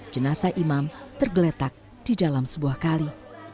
jenasa imam tergeletak di dalam sebuah kali